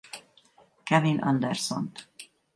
Kevin Andersont.